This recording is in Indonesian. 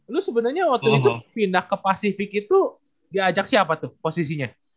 lu sebenarnya waktu itu pindah ke pasifik itu diajak siapa tuh posisinya